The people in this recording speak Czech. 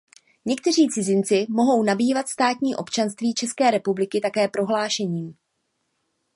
Někteří cizinci mohou nabývat státní občanství České republiky také prohlášením.